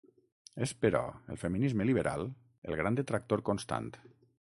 És però el feminisme liberal el gran detractor constant.